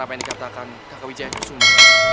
apa yang dikatakan kakak wijahaya